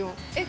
えっ？